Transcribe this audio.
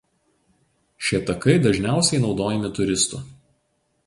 Šie takai dažniausiai naudojami turistų.